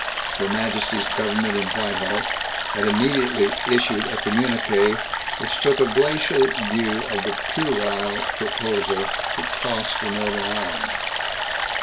Her Majesty's Government in Whitehall had immediately issued a communiqué which took a glacial view of the "puerile" proposal to toss for Northern Ireland.